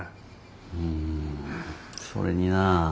うんそれにな